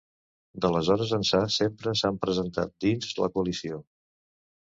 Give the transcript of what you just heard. D'aleshores ençà sempre s'han presentat dins la coalició.